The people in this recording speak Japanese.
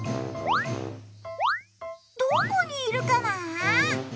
どこにいるかな？